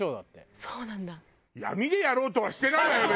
闇でやろうとはしてないわよ